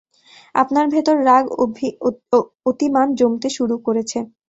আপনার ভেতর রাগ, অতিমান জমতে শুরু করেছে।